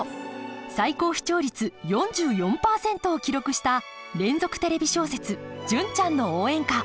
最高視聴率４４％を記録した連続テレビ小説「純ちゃんの応援歌」。